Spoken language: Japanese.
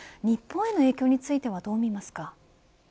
日本への影響についてはどう見ますか。